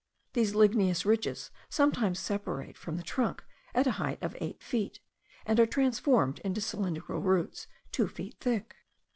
These ligneous ridges sometimes separate from the trunk at a height of eight feet, and are transformed into cylindrical roots two feet thick.